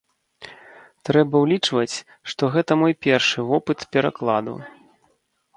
Трэба ўлічваць, што гэта мой першы вопыт перакладу.